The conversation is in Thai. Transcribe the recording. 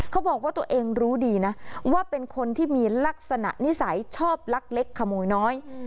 เขาบอกว่าตัวเองรู้ดีนะว่าเป็นคนที่มีลักษณะนิสัยชอบลักเล็กขโมยน้อย